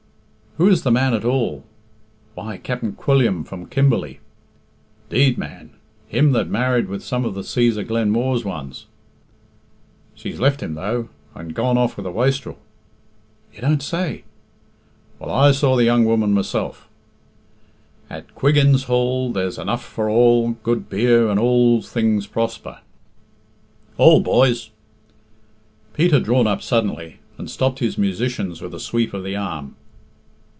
"Who is the man at all?" "Why, Capt'n Quilliam from Kimberley." "'Deed, man! Him that married with some of the Cæsar Glenmooar's ones?" "She's left him, though, and gone off with a wastrel." "You don't say?" "Well, I saw the young woman myself " "At Quiggin's Hall There's enough for all, Good beer, and all things proper." "Hould, boys!" Pete had drawn up suddenly, and stopped his musicians with a sweep of the arm.